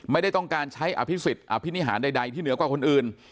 ไม่ได้ต้องการใช้อภิษฎอภินิหารใดที่เหนือกว่าคนอื่น